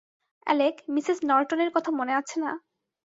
Alec, Mrs নরটনের কথা মনে আছে না?